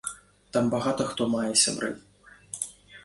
Там багата хто мае сябры.